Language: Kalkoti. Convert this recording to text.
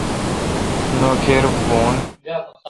نوکر بھون۔